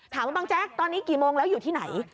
ถามว่าบังแจ็คตอนนี้กี่โมงแล้วอยู่ที่ไหน